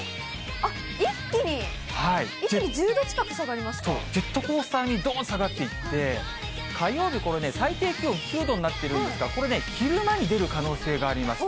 あっ、一気に、そう、ジェットコースター並みにどーんと下がっていって、火曜日、これね、最低気温９度になってるんですが、これね、昼間に出る可能性があります。